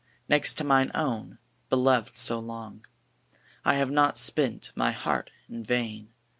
Next to mine own beloved so long! I have not spent my heart in vain.